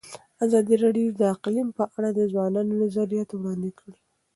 ازادي راډیو د اقلیم په اړه د ځوانانو نظریات وړاندې کړي.